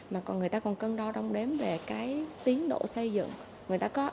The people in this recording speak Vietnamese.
mà còn người ta còn cân đo đông đếm về cái tiến độ xây dựng